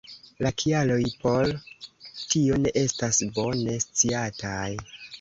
La kialoj por tio ne estas bone sciataj.